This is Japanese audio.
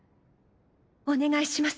お願いします。